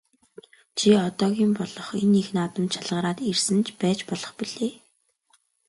Чи одоогийн болох энэ их наадамд шалгараад ирсэн ч байж болох билээ.